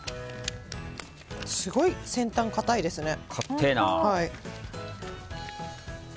すごい、先端が硬いですね。